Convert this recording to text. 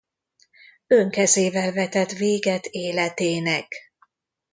Önkezével vetett véget életének.